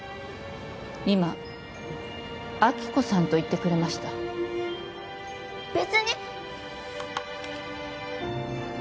今「亜希子さん」と言ってくれました別に！